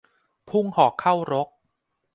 พุ่งหอกเข้ารก